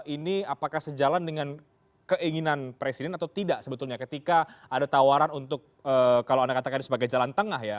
ini apakah sejalan dengan keinginan presiden atau tidak sebetulnya ketika ada tawaran untuk kalau anda katakan sebagai jalan tengah ya